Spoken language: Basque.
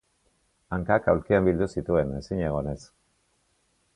Hankak aulkian bildu zituen, ezinegonez.